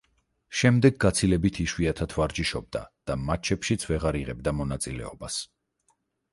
შემდეგ გაცილებით იშვიათად ვარჯიშობდა და მატჩებშიც ვეღარ იღებდა მონაწილეობას.